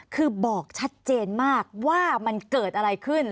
คือบอกชัดเจนมากว่ามันเกิดอะไรขึ้น